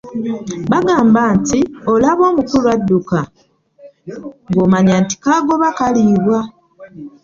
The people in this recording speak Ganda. Bagamba nti, “Olaba omukulu adduka ng'omanya nti kagoba kaliibwa."